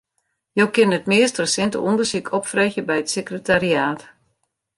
Jo kinne it meast resinte ûndersyk opfreegje by it sekretariaat.